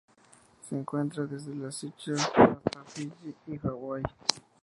Se encuentra desde las Seychelles hasta Fiyi y Hawaii.